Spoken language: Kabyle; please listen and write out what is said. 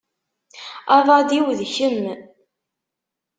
Aḍad-iw d kemm.